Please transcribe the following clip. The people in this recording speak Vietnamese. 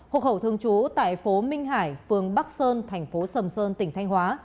hộ khẩu thương chú tại phố minh hải phường bắc sơn thành phố sầm sơn tỉnh thanh hóa